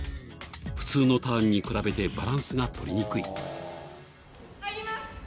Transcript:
普通のターンに比べてバランスが取りにくい。